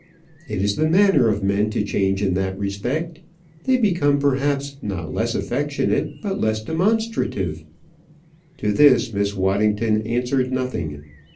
"It is the manner of men to change in that respect. They become, perhaps, not less affectionate, but less demonstrative." To this Miss Waddington answered nothing.